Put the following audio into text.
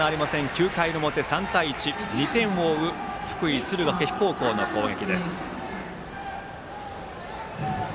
９回の表、３対１で２点を追う福井・敦賀気比高校の攻撃。